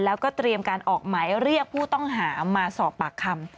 แล้วก็เตรียมการออกหมายเรียกผู้ต้องหามาสอบปากคำ